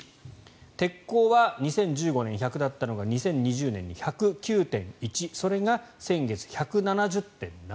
鉄鋼は２０１５年１００だったのが２０２０年に１０９．１それが先月１７０．７。